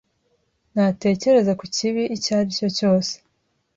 Ntatekereza ku kibi icyo ari cyo cyose.